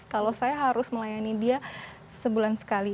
kalau saya harus melayani dia sebulan sekali